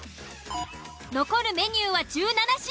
残るメニューは１７品